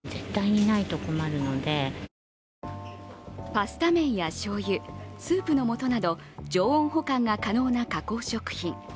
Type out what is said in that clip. パスタ麺やしょうゆ、スープの素など常温保管が可能な加工食品。